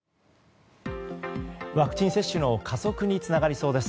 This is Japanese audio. ワクチン接種の加速につながりそうです。